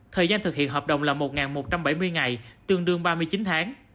thời gian thực hiện hợp đồng là một một trăm bảy mươi ngày tương đương ba mươi chín tháng